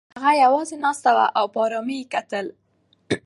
هغه یوازې ناسته وه او په ارامۍ یې کتل.